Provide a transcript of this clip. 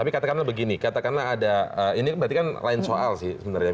tapi katakanlah begini katakanlah ada ini berarti kan lain soal sih sebenarnya